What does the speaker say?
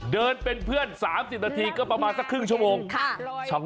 เดินเป็นเพื่อน๓๐นาทีก็ประมาณสักครึ่งชั่วโมง